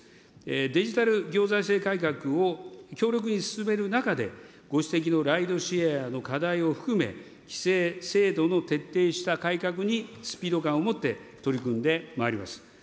デジタル行財政改革を強力に進める中で、ご指摘のライドシェアの課題を含め、規制制度の徹底した改革にスピード感を持って取り組んでまいります。